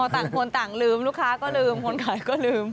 ต่างคนต่างลืมลูกค้าก็ลืมคนขายก็ลืม